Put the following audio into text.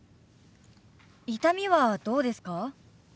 痛みはどうですか？